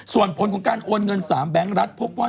ส่วนผลของการโอนเงิน๓แบงค์รัฐพบว่า